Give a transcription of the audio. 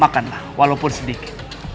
makanlah walaupun sedikit